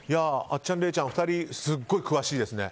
あっちゃん、礼ちゃん２人すごい詳しいですね。